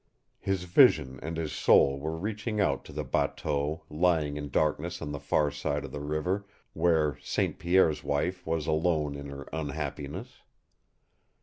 His vision and his soul were reaching out to the bateau lying in darkness on the far side of the river, where St. Pierre's wife was alone in her unhappiness.